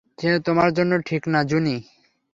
সে তোমার জন্য ঠিক না, জুনি।